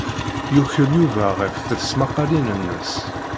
Yukel Yuba ɣef tesmaqqalin-nnes.